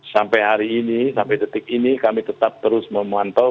sampai hari ini sampai detik ini kami tetap terus memantau